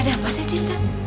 ada apa sih cinta